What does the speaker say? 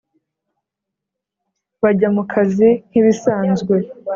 bajya mukazi nkibisanzwe,